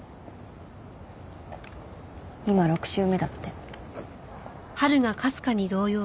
今６週目だって。